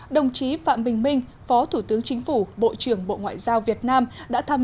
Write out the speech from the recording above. đồng chí phạm bình minh phó thủ tướng chính phủ bộ trưởng bộ ngoại giao việt nam đã thăm